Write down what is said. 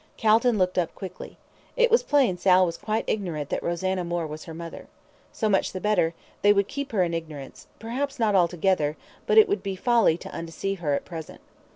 Calton looked up quickly. It was plain Sal was quite ignorant that Rosanna Moore was her mother. So much the better; they would keep her in ignorance, perhaps not altogether, but it would be folly to undeceive her at present.